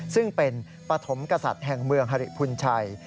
ซึ่งเป็นปฐมกษัตริย์แห่งเมืองฮริพุนชัย